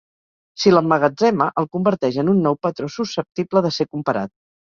Si l'emmagatzema, el converteix en un nou patró susceptible de ser comparat.